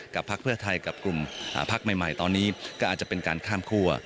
พักเพื่อไทยกับกลุ่มพักใหม่ตอนนี้ก็อาจจะเป็นการข้ามคั่ว